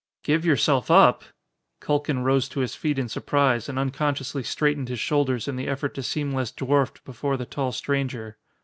"Give yourself up?" Culkin rose to his feet in surprise and unconsciously straightened his shoulders in the effort to seem less dwarfed before the tall stranger.